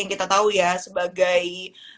yang kita tahu ya sebagai